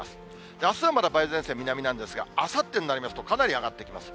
あすはまだ梅雨前線南なんですが、あさってになりますと、かなり上がってきます。